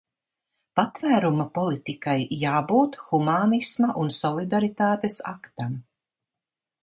Patvēruma politikai jābūt humānisma un solidaritātes aktam.